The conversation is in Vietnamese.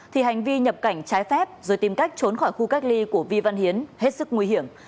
thì hành vi nhập cảnh trái phép rồi tìm cách trốn khỏi khu cách ly của vi văn hiến hết sức nguy hiểm